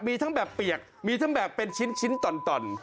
มีทั้งแบบเปียกมีทั้งแบบเป็นชิ้นต่อน